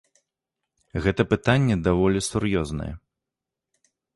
Гэта пытанне даволі сур'ёзнае.